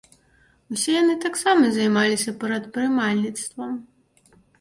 Усе яны таксама займаліся прадпрымальніцтвам.